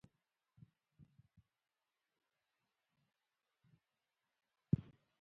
ازادي راډیو د چاپیریال ساتنه پرمختګ او شاتګ پرتله کړی.